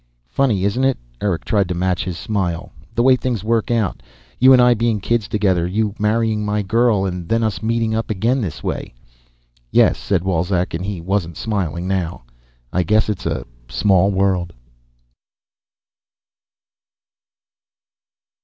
"Funny, isn't it?" Eric tried to match his smile. "The way things work out. You and I being kids together. You marrying my girl. And then, us meeting up again this way." "Yes," said Wolzek, and he wasn't smiling now. "I guess it's a small world."